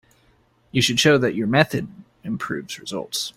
You should show that your method improves results.